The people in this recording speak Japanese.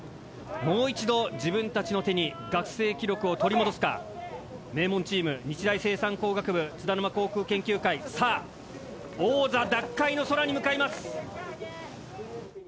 もう一度自分たちの手に学生記録を取り戻すか名門チーム日大生産工学部津田沼航空研究会さあ王座奪回の空に向かいます！